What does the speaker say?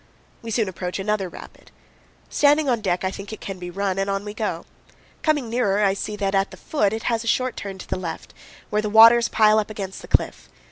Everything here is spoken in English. We soon approach another rapid. Standing on deck, I think it can be run, and on we go. Coming nearer, I see that at the foot it has a short turn to the left, where the waters pile up against the cliff.